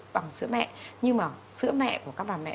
bằng sữa mẹ nhưng mà sữa mẹ của các bà mẹ